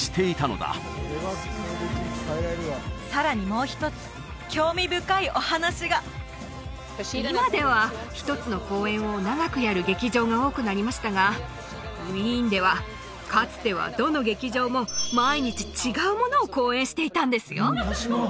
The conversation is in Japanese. もう一つ興味深いお話が今では一つの公演を長くやる劇場が多くなりましたがウィーンではかつてはどの劇場も毎日違うものを公演していたんですよ